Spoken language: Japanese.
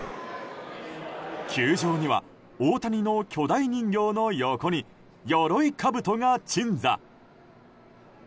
球場には大谷の巨大人形の横によろいかぶとが鎮座。